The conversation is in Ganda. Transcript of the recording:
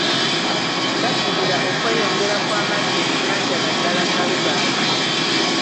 Kyaddirira okweyongera kw'amazzi mu nnyanja naddala Nalubaale.